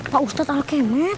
pak ustadz al kemet